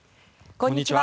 こんにちは。